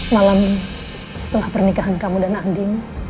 malam setelah pernikahan kamu dan nanding